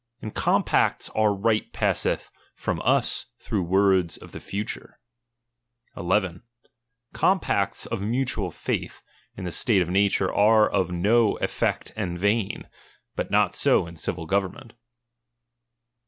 In compacts, our right passeth from us through words of the future. 11. Compacts of mutual faith, ia the state of nature are of no effect and vain; but not so in civil government.